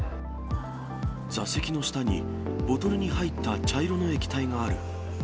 座席の下に、ボトルに入った茶色の液体がある。